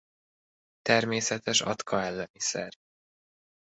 Természetes atka elleni szer.